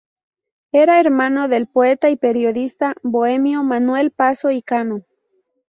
Era hermano del poeta y periodista bohemio Manuel Paso y Cano.